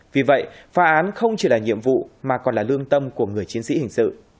vì vậy phá án không chỉ là nhiệm vụ mà còn là lương tâm của người chiến sĩ hình sự